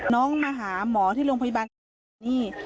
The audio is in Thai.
น้องมาหาหมอที่โรงพยาบาลนี้